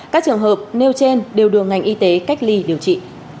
các trường hợp nêu trên đều được ngành y tế cách ly điều trị